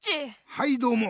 はいどうも。